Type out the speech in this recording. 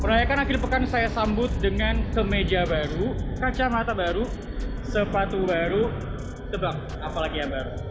merayakan akhir pekan saya sambut dengan kemeja baru kacamata baru sepatu baru tebak apalagi yang baru